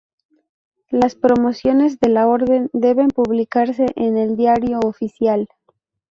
Las Promociones de la Orden deben publicarse en el Diario Oficial.